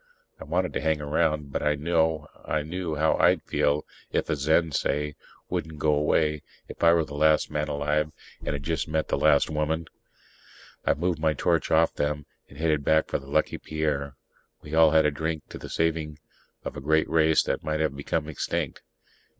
I wanted to hang around, but I knew how I'd feel if a Zen, say, wouldn't go away if I were the last man alive and had just met the last woman. I moved my torch off them and headed back for the Lucky Pierre. We all had a drink to the saving of a great race that might have become extinct.